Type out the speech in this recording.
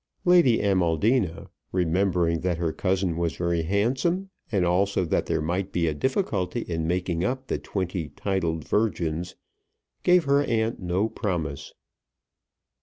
Lady Amaldina, remembering that her cousin was very handsome, and also that there might be a difficulty in making up the twenty titled virgins, gave her aunt no promise.